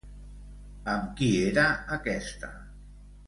Amb qui era aquesta?